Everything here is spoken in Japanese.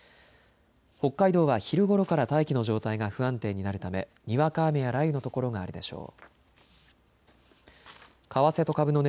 北海道は昼ごろから大気の状態が不安定になるため、にわか雨や雷雨の所があるでしょう。